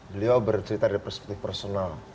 beliau bercerita dari perspektif personal